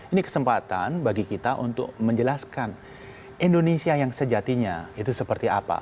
ini kesempatan bagi kita untuk menjelaskan indonesia yang sejatinya itu seperti apa